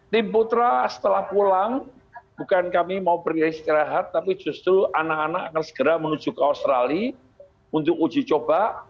tim putra setelah pulang bukan kami mau beristirahat tapi justru anak anak akan segera menuju ke australia untuk uji coba